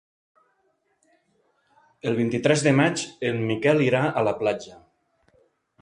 El vint-i-tres de maig en Miquel irà a la platja.